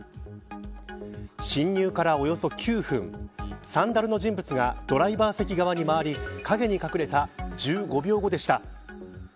侵入からおよそ９分サンダルの人物がドライバー席側に回り陰に隠れた１５秒後でした。